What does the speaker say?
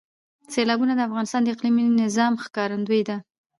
سیلابونه د افغانستان د اقلیمي نظام ښکارندوی ده.